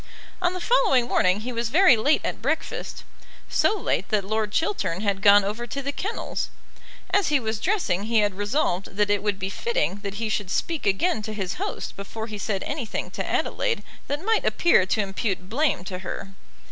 On the following morning he was very late at breakfast, so late that Lord Chiltern had gone over to the kennels. As he was dressing he had resolved that it would be fitting that he should speak again to his host before he said anything to Adelaide that might appear to impute blame to her.